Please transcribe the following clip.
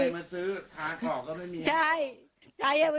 มีใครมาซื้อทางออกก็ไม่มี